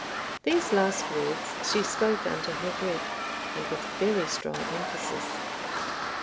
(These last words she spoke under her breath, and with very strong emphasis.)